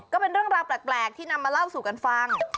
ก็เป็นเรื่องราวแปลกที่นำมาเล่าสู่กันฟัง